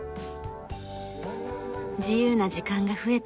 自由な時間が増えた